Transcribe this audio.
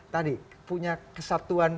tadi punya kesatuan